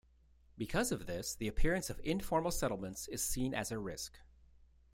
Because of this, the appearance of informal settlements is seen as a risk.